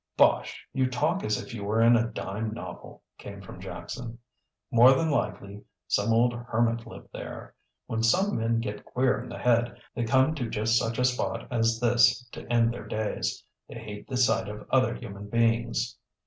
"Bosh, you talk as if you were in a dime novel," came from Jackson. "More than likely some old hermit lived here. When some men get queer in the head they come to just such a spot as this to end their days. They hate the sight of other human beings."